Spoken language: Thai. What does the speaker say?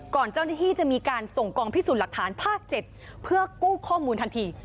เจ้าหน้าที่จะมีการส่งกองพิสูจน์หลักฐานภาค๗เพื่อกู้ข้อมูลทันที